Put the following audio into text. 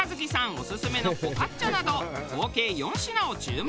オススメのフォカッチャなど合計４品を注文。